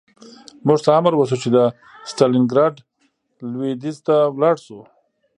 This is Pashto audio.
موږ ته امر وشو چې د ستالینګراډ لویدیځ ته لاړ شو